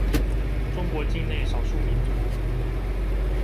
中國境內少數民族